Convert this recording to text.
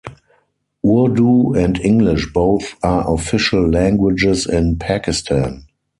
Urdu and English both are official languages in Pakistan.